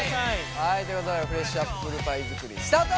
はいということでフレッシュアップルパイ作りスタート！